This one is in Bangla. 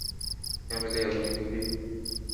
অ্যামেলিয়া, তুমি তৈরি?